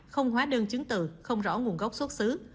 không hóa đơn chứng từ không rõ nguồn gốc xuất xứ